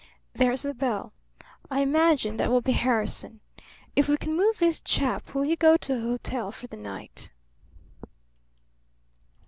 There's the bell. I imagine that will be Harrison. If we can move this chap will you go to a hotel for the night?"